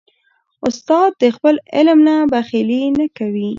استاد د خپل علم نه بخیلي نه کوي.